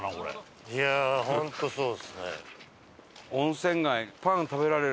いやあホントそうですね。